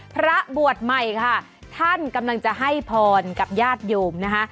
พระบวชใหม่ค่ะท่านกำลังจะให้พรกับญาติโยมนะคะ